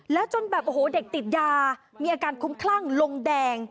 แล้วจนแบบโอ้โหเด็กติดยามีอาการคุ้มคลั่งลงแดง